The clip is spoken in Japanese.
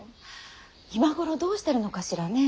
今頃どうしてるのかしらね。